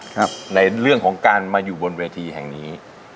ในเรื่องของการมาอยู่บนเวทีแห่งนี้